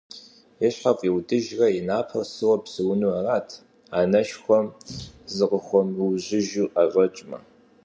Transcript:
И щхьэр фӀиудыжрэ и напэр сыуэ псэуну арат, анэшхуэм зыкъыхуэмыужьыжу ӀэщӀэкӀмэ.